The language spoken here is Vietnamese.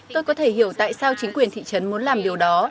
tôi có thể hiểu tại sao chính quyền thị trấn muốn làm điều đó